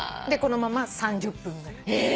でこのまま３０分ぐらい。